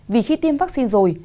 vì khi tiêm vaccine rồi